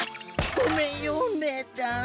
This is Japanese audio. ごめんよねえちゃん。